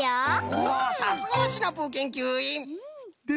おおさすがはシナプーけんきゅういん！